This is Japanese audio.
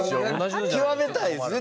きわめたいですね